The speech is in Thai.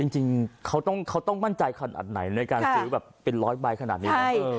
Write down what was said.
จริงเขาต้องมั่นใจขนาดไหนในการซื้อแบบเป็นร้อยใบขนาดนี้นะ